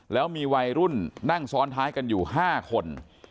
แล้วมีวัยรุ่นนั่งซ้อนท้ายกันอยู่๕คน